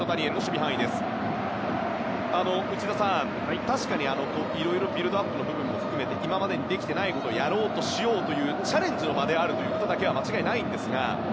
内田さん、確かにいろいろとビルドアップの部分も含めて今まで、できていないことをやろうというチャレンジの場であることだけは間違いないですが。